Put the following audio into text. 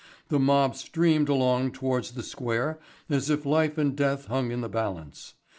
The mob streamed along towards the Square as if life and death hung in the balance.